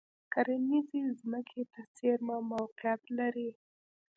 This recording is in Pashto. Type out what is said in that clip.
کرنیزې ځمکې ته څېرمه موقعیت لري.